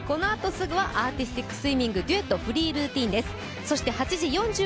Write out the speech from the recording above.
このあとすぐはアーティスティックスイミングデュエットフリールーティンです。